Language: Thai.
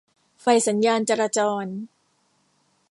ไฟสัญญาณจราจร